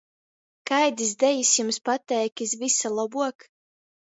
Kaidys dejis jums pateik iz vysa lobuok?